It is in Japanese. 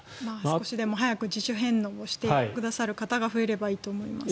少しでも早く自主返納をしてくださる方が増えればいいと思います。